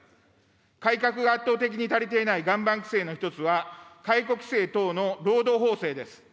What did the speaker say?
改革が圧倒的に足りていない岩盤規制の一つは、解雇規制等の労働法制です。